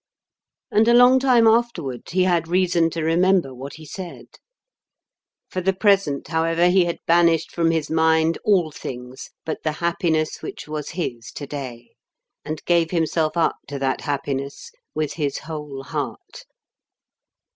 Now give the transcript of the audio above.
And a long time afterward he had reason to remember what he said. For the present, however, he had banished from his mind all things but the happiness which was his to day; and gave himself up to that happiness with his whole heart.